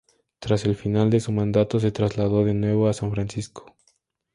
Tras el final de su mandato, se trasladó de nuevo a San Francisco.